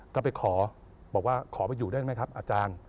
ก็ไปขอบอกว่าขอไปอยู่ได้ไหมครับอาจารย์